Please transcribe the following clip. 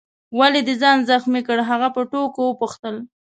ولي دي ځان زخمي کړ؟ هغه په ټوکو وپوښتل.